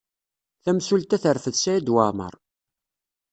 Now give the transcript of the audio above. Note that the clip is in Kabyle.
Tamsulta terfed Saɛid Waɛmaṛ.